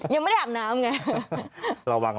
ยังไม่ได้อาบน้ำไง